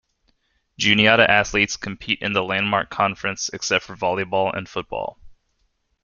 Juniata athletes compete in the Landmark Conference except for volleyball and football.